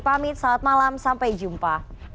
pamit selamat malam sampai jumpa